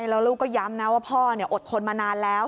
แล้วลูกก็ย้ำนะว่าพ่ออดทนมานานแล้ว